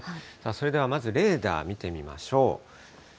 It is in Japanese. それではまず、レーダー見てみましょう。